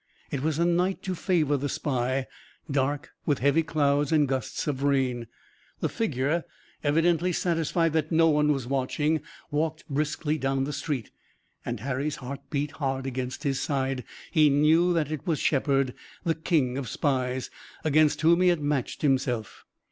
It was a night to favor the spy, dark, with heavy clouds and gusts of rain. The figure, evidently satisfied that no one was watching, walked briskly down the street, and Harry's heart beat hard against his side. He knew that it was Shepard, the king of spies, against whom he had matched himself.